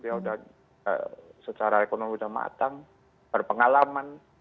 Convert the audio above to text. dia sudah secara ekonomi sudah matang berpengalaman